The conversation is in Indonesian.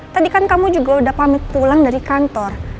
tadi kan kamu juga udah pamit pulang dari kantor